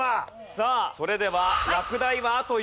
さあそれでは落第はあと４問ですよ。